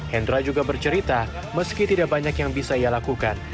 hendra juga bercerita meski tidak banyak yang bisa ia lakukan